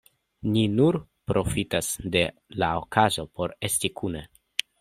Ni nur profitas de la okazo por esti kune.